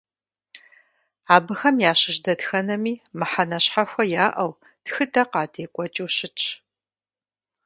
Абыхэм ящыщ дэтхэнэми мыхьэнэ щхьэхуэ яӀэу, тхыдэ къадекӀуэкӀыу щытщ.